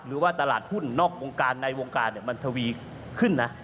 หรือว่าตลาดหุ้นนอกวงการในวงการมันทวีขึ้นนะ